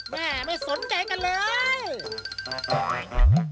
แม่ไม่สนใจกันเลย